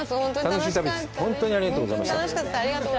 楽しかった、ありがとうございました。